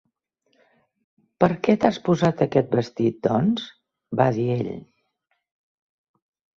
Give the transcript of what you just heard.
"Per què t'has posat aquest vestit, doncs?" va dir ell.